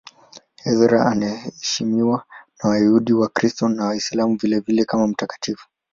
Ezra anaheshimiwa na Wayahudi, Wakristo na Waislamu vilevile kama mtakatifu.